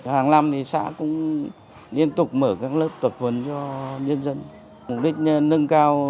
hàng năm xã cũng liên tục mở các lớp tập huấn